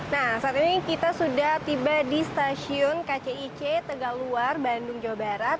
nah saat ini kita sudah tiba di stasiun kcic tegaluar bandung jawa barat